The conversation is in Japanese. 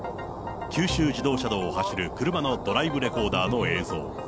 九州自動車道を走る車のドライブレコーダーの映像。